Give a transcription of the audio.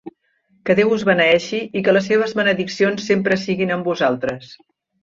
Que Déu us beneeixi i que les seves benediccions sempre siguin amb vosaltres.